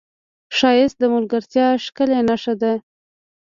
ښایست د ملګرتیا ښکلې نښه ده